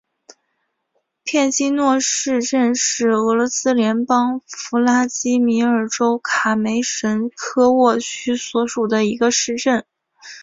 片基诺市镇是俄罗斯联邦弗拉基米尔州卡梅什科沃区所属的一个市镇。